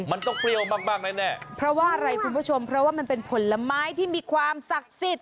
มันต้องเปรี้ยวมากมากแน่แน่เพราะว่าอะไรคุณผู้ชมเพราะว่ามันเป็นผลไม้ที่มีความศักดิ์สิทธิ